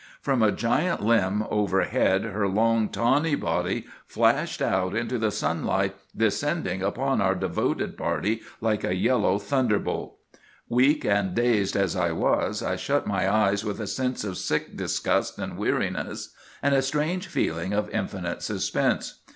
From a giant limb overhead her long tawny body flashed out into the sunlight, descending upon our devoted party like a yellow thunderbolt. "Weak and dazed as I was, I shut my eyes with a sense of sick disgust and weariness, and a strange feeling of infinite suspense.